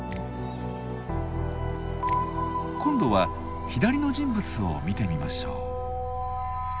今度は左の人物を見てみましょう。